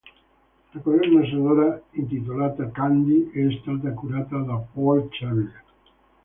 La colonna sonora, intitolata "Candy", è stata curata da Paul Charlier.